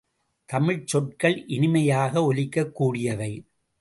தமிழ்ச் சொற்கள் இனிமையாக ஒலிக்கக் கூடியவை.